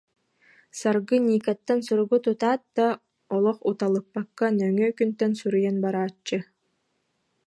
Саргы Никаттан суругу тутаат да, олох уталыппакка нөҥүө күнтэн суруйан барааччы